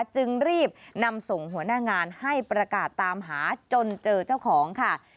จึงรีบนำส่งหัวหน้างานให้ประกาศตามหาจนเจอเจ้าของค่ะ